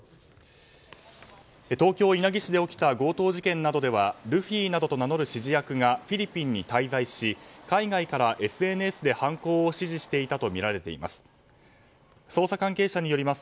東京・稲城市で起きた強盗事件などではルフィなどと名乗る指示役が海外に滞在し海外からＳＮＳで犯行を指示していたとみられています。